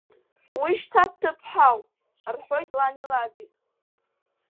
Уи шьҭа дҭыԥҳауп, — рҳәоит лани лаби.